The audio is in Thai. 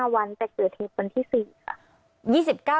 ๔๕วันนะ